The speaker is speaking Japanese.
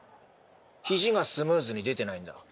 肘がスムーズに出てないんだ。